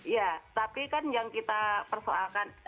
ya tapi kan yang kita persoalkan